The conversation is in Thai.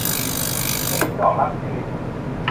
สนิมดอกรัก - สิริณ